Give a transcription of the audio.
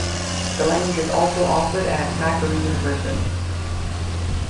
The language is also offered at Macquarie University.